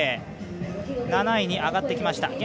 ７位に上がってきました。